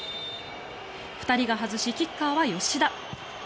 ２人が外し、キッカーは吉田。